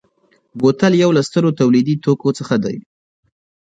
بوتل یو له سترو تولیدي توکو څخه دی.